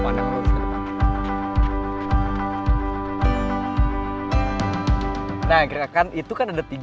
nah gerakan itu kan ada tiga